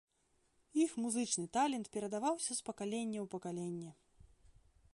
Іх музычны талент перадаваўся з пакалення ў пакаленне.